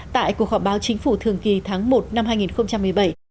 tại cuộc họp báo chính phủ thường kỳ tháng một năm hai nghìn một mươi bảy